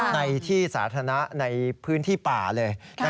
ในที่สาธารณะในพื้นที่ป่าเลย